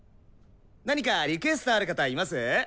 何かリクエストある方います？